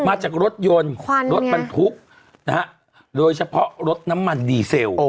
มาจากรถยนต์รถบรรทุกนะฮะโดยเฉพาะรถน้ำมันดีเซล